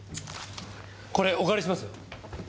これお借りします。